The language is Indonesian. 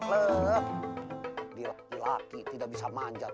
laki laki tidak bisa manjat